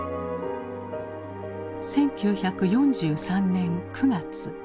１９４３年９月。